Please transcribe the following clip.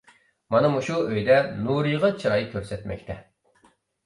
مانا مۇشۇ ئۆيدە نۇرىغا چىراي كۆرسەتمەكتە.